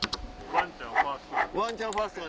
ワンちゃんファースト。